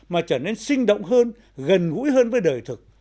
mà trở nên sinh động hơn gần gũi hơn với đời thực